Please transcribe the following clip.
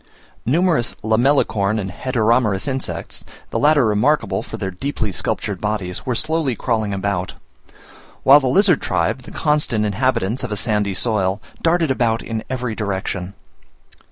Numerous Lamellicorn and Heteromerous insects, the latter remarkable for their deeply sculptured bodies, were slowly crawling about; while the lizard tribe, the constant inhabitants of a sandy soil, darted about in every direction.